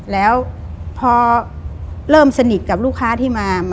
แล้วพอเริ่มสนิทกับลูกค้าที่มา